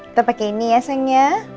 atau pake ini ya sayangnya